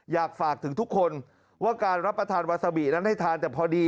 อยากฝากถึงทุกคนว่าการรับประทานวาซาบินั้นให้ทานแต่พอดี